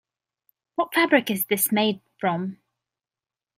What fabric is this made from?